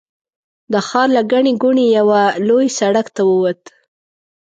د ښار له ګڼې ګوڼې یوه لوی سړک ته ووت.